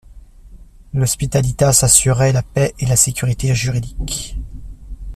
L'hospitalitas assurait la paix et la sécurité juridique.